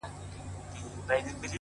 چي د ارواوو په نظر کي بند سي ـ